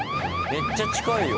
めっちゃ近いよ。